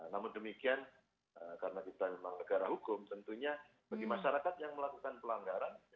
namun demikian karena kita memang negara hukum tentunya bagi masyarakat yang melakukan pelanggaran